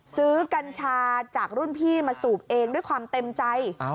กัญชาจากรุ่นพี่มาสูบเองด้วยความเต็มใจ